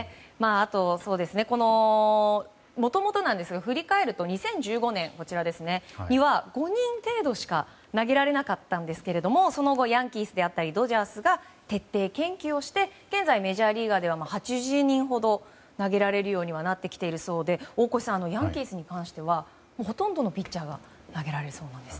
あと、もともとなんですが振り返ると２０１５年には５人程度しか投げられなかったんですがその後ヤンキースやドジャースが徹底研究をして現在、メジャーリーガーでは８０人ほど投げられるようにはなってきているそうで大越さん、ヤンキースに関してはほとんどのピッチャーが投げられそうなんです。